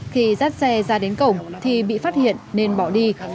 khi dắt xe ra đến cổng thì bị phát hiện nên bỏ đi